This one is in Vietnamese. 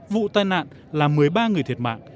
vụ tai nạn làm một mươi ba người thiệt mạng